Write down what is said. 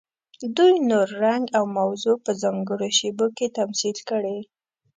دوی نور، رنګ او موضوع په ځانګړو شیبو کې تمثیل کړي.